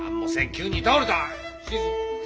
急に倒れた。